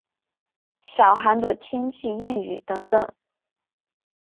小寒的天气谚语等等。